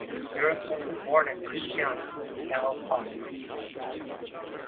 Eriksen was born in Kristiania (now Oslo).